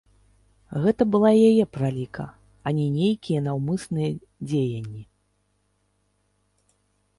Гэта была яе праліка, а не нейкія наўмысныя дзеянні.